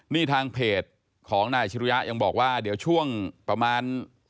นี่ทางเพจของนายอัชรุยะยังบอกว่าเดี๋ยวช่วงประมาณ